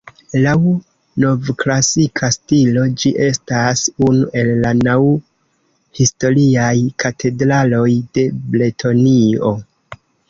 Laŭ novklasika stilo, ĝi estas unu el la naŭ historiaj katedraloj de Bretonio.